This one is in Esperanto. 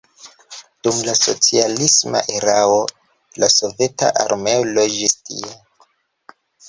Dum la socialisma erao la soveta armeo loĝis tie.